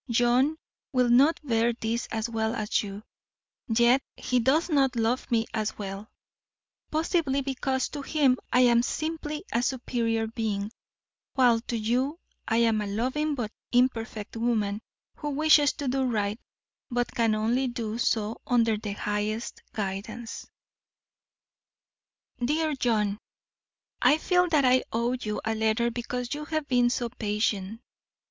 John will not bear this as well as you, yet he does not love me as well, possibly because to him I am simply a superior being, while to you I am a loving but imperfect woman who wishes to do right but can only do so under the highest guidance. DEAR JOHN: I feel that I owe you a letter because you have been so patient.